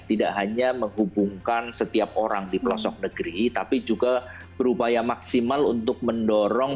tidak hanya menghubungkan setiap orang di pelosok negeri tapi juga berupaya maksimal untuk mendorong